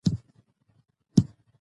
افغانستان کې د کلي په اړه زده کړه کېږي.